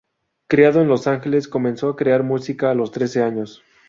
Criado en Los Ángeles, comenzó a crear música a los trece años.